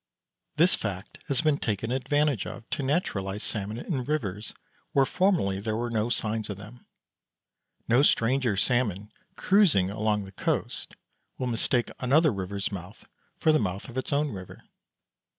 This fact has been taken advantage of to naturalise salmon in rivers where formerly there were no signs of them. No stranger salmon cruising along the coast will mistake another river's mouth for the mouth of its own river.